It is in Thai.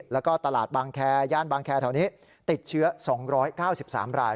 แล้วก็ตลาดบางแคร์ย่านบางแคร์แถวนี้ติดเชื้อ๒๙๓ราย